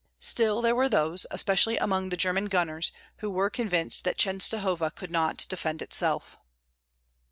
Still there were those, especially among the German gunners, who were convinced that Chenstohova could not defend itself.